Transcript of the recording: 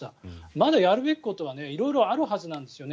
まだやるべきことは色々あるはずなんですよね。